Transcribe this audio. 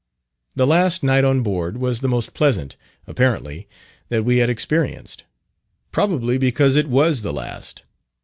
The last night on board was the most pleasant, apparently, that we had experienced; probably, because it was the last.